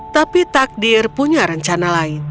tapi takdir punya rencana lain